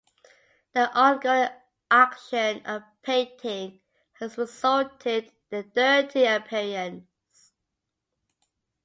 The ongoing action of painting has resulted in their dirty appearance.